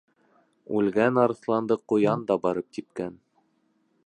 Үлгән арыҫланды ҡуян да барып типкән.